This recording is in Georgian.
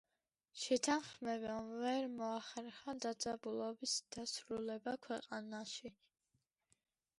შეთანხმებამ ვერ მოახერხა დაძაბულობის დასრულება ქვეყანაში.